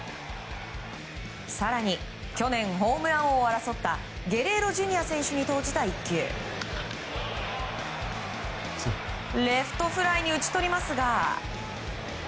更に、去年ホームラン王を争ったゲレーロＪｒ．選手に投じた１球レフトフライに打ち取りますが。